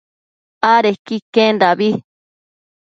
adequi iquendabi